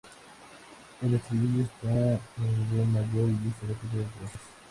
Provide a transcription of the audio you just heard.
El estribillo está en re mayor, y se repite dos veces.